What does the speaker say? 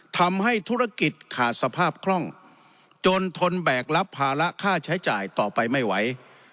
ทำให้ธุรกิจขาดสภาพคล่องจนทนแบกรับภาระค่าใช้จ่ายต่อไปไม่ไหว